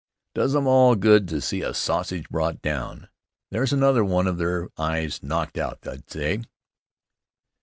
Does 'em all good to see a sausage brought down. 'There's another one of their eyes knocked out,' they say."